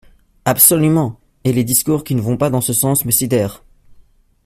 Absolument ! Et les discours qui ne vont pas dans ce sens me sidèrent.